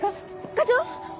課長！